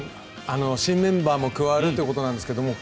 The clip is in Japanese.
新メンバーも加わるということなんですけど